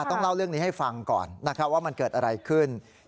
ต้องเล่าเรื่องนี้ให้ฟังก่อนว่ามันเกิดอะไรขึ้น